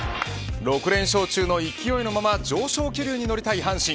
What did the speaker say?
６連勝中の勢いのまま上昇気流に乗りたい阪神。